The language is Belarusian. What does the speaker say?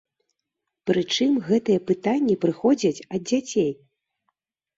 Прычым гэтыя пытанні прыходзяць ад дзяцей.